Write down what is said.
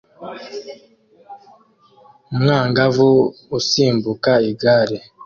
Umwangavu usimbuka igare